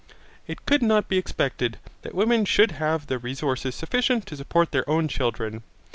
It could not be expected that women should have resources sufficient to support their own children.